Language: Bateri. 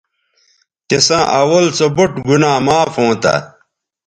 تِساں اول سو بُوٹ گنا معاف ھونتہ